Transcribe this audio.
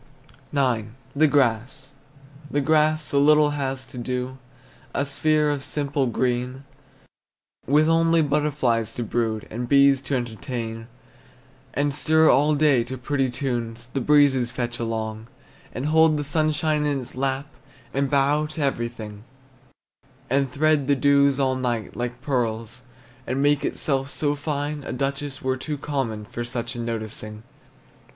IX. THE GRASS. The grass so little has to do, A sphere of simple green, With only butterflies to brood, And bees to entertain, And stir all day to pretty tunes The breezes fetch along, And hold the sunshine in its lap And bow to everything; And thread the dews all night, like pearls, And make itself so fine, A duchess were too common For such a noticing.